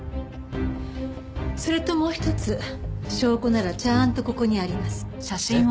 それともう一つ証拠ならちゃんとここにあります。